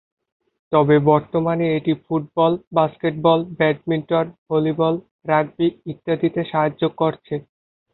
তবে বর্তমানে এটি football, basketball, badminton, volleyball, rugby ইত্যাদিতে সাহায্য করছে।